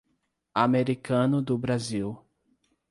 Americano do Brasil